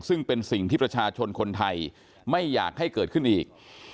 ซึ่งเป็นสิ่งที่ประชาชนคนไทยไม่อยากให้เกิดขึ้นอีก